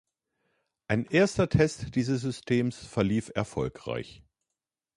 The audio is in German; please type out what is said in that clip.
Ein erster Test dieses Systems verlief erfolgreich.